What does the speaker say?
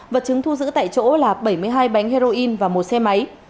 vật chứng thu giữ tại chỗ là bảy mươi hai bánh heroin và một xe máy